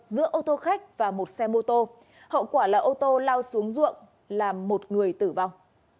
giữa ô tô khách và một xe mô tô hậu quả là ô tô lao xuống ruộng làm một người tử vong